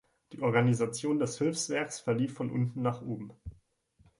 Die Organisation des Hilfswerks verlief von unten nach oben.